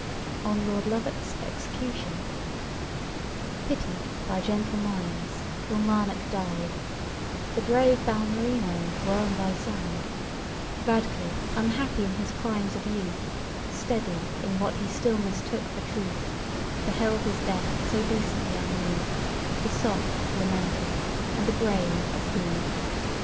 'On Lord LOVAT'S Execution. 'Pity'd by gentle minds KILMARNOCK died; The brave, BALMERINO, were on thy side; RADCLIFFE, unhappy in his crimes of youth, Steady in what he still mistook for truth, Beheld his death so decently unmov'd, The soft lamented, and the brave approv'd.